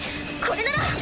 これなら！